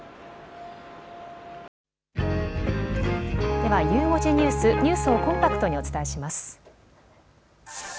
ではゆう５時ニュース、ニュースをコンパクトにお伝えします。